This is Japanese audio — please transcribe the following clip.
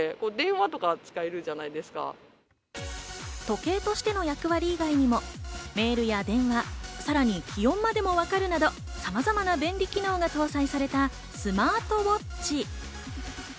時計としての役割以外にもメールや電話、さらに気温までも分かるなど、様々な便利機能が搭載されたスマートウォッチ。